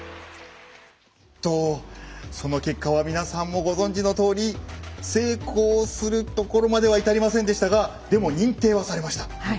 その結果は皆さんもご存じのとおり成功するとところまでは至りませんでしたがでも、認定はされました。